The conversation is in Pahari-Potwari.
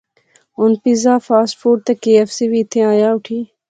ہن پیزا، فاسٹ فوڈ تے کے ایف سی وی ایتھیں آیا اوٹھی